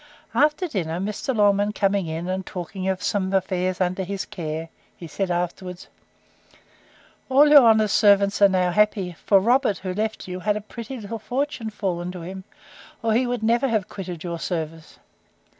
After dinner, Mr. Longman coming in, and talking of some affairs under his care, he said afterwards, All your honour's servants are now happy; for Robert, who left you, had a pretty little fortune fallen to him, or he never would have quitted your service.